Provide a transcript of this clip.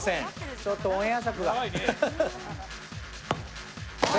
ちょっとオンエア尺が。